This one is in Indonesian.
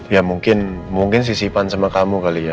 ya mungkin mungkin si sipan sama kamu kali ya